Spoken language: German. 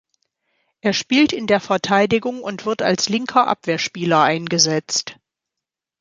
Er spielt in der Verteidigung und wird als linker Abwehrspieler eingesetzt.